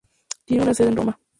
Tiene una sede en Roma.